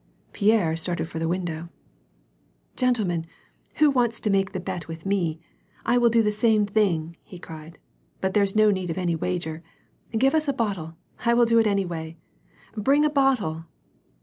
Pierre starlied for the window. " Gentlemen ! Who wants to make the bet with me ; I will do the same thing," he cried. " But there's no need of any wager. Give us a bottle. I will do it any way. Bring a bottle."